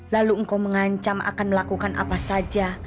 lalu engkau mengancam akan melakukan apa saja